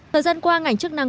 thời gian qua ngành chức năng